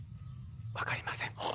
分かりません。